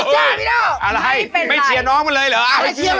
คอนครับสุโคไทยครับสุโคไทยครับสุโคไทยครับ